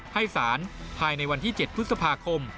ให้สารภายในวันที่๗พฤษภาคม